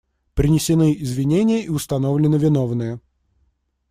Принесены извинения и установлены виновные.